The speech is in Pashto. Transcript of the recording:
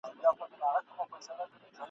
پر سپینو لېچو چي منګی تر ګودر تللی نه دی !.